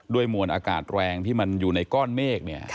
มวลอากาศแรงที่มันอยู่ในก้อนเมฆ